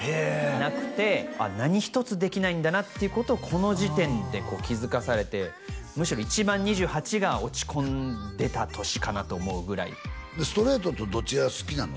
なくて何一つできないんだなということをこの時点で気づかされてむしろ一番２８が落ち込んでた年かなと思うぐらいストレートとどっちが好きなの？